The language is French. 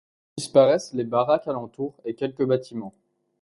Disparaissent les baraques alentour et quelques bâtiments.